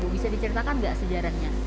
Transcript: bisa diceritakan nggak sejarahnya